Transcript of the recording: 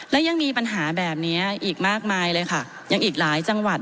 และยังมีปัญหาแบบนี้อีกมากมายเลยค่ะยังอีกหลายจังหวัด